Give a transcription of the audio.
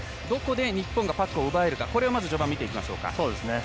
どこで日本がパックを奪えるか序盤見ていきましょう。